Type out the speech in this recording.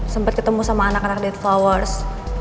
sempat ketemu sama anak anak deadflowers